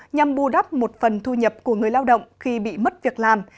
nhằm bù đắp một phần thu nhập của người lao động khi bị mất việc làm